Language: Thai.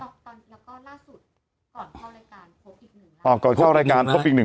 แล้วก็ล่าสุดก่อนเข้ารายการโทรพิชัยอีกหนึ่งอ๋อก่อนเข้ารายการโทรพิชัยอีกหนึ่ง